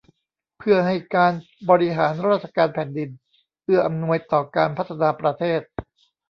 เพื่อให้การบริหารราชการแผ่นดิน เอื้ออำนวยต่อการพัฒนาประเทศ